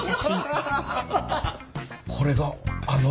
これがあの社長。